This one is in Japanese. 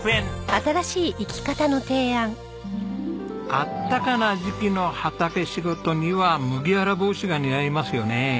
暖かな時期の畑仕事には麦わら帽子が似合いますよね。